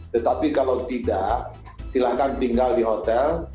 tetapi kalau tidak silakan tinggal di hotel